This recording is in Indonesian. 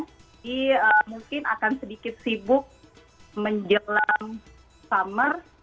jadi mungkin akan sedikit sibuk menjelang summer